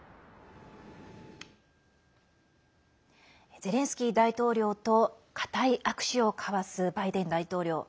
ゼレンスキー大統領と固い握手を交わすバイデン大統領。